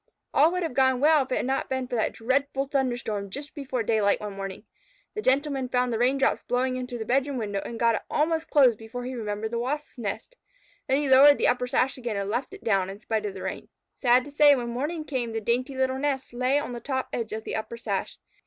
All would have gone well if it had not been for that dreadful thunderstorm just before daylight one morning. The Gentleman found the raindrops blowing in through the bedroom window, and got it almost closed before he remembered the Wasps' nest. Then he lowered the upper sash again and left it down, in spite of the rain. Sad to say, when morning came the dainty little nest lay on the top edge of the upper sash.